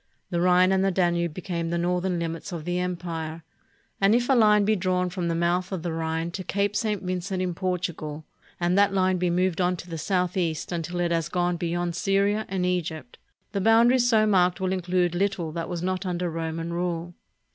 The Rhine and the Danube became the northern limits of the em pire; and if a Hne be drawn from the mouth of the Rhine to Cape St. Vincent in Portugal, and that hne be moved on to the southeast until it has gone beyond Syria and 394 AUGUSTUS, THE SHREWD YOUNG EMPEROR Egypt, the boundaries so marked will include little that was not under Roman rule.